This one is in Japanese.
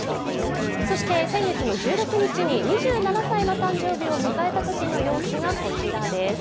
そして、先月の１６日に２７歳の誕生日を迎えたときの様子がこちらです。